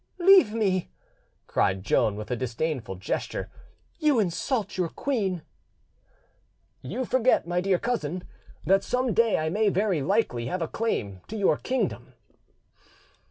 "Leave me," cried Joan, with a disdainful gesture; "you insult your queen." "You forget, my dear cousin, that some day I may very likely have a claim to your kingdom."